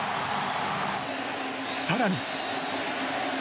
更に。